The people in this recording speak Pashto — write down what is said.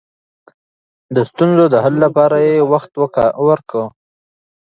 د ستونزو د حل لپاره يې وخت ورکاوه.